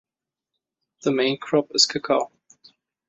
The main crop is cocoa.